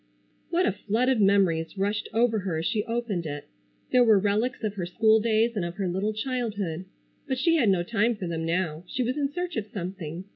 What a flood of memories rushed over her as she opened it! There were relics of her school days, and of her little childhood. But she had no time for them now. She was in search of something.